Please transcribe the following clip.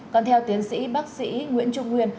còn theo tiến sĩ bác sĩ nguyễn trung nguyên